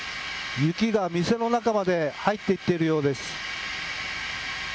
雪が店の中まで入っていっているようです。